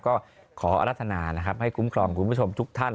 ก็ขออรัฐนานะครับให้คุ้มครองคุณผู้ชมทุกท่าน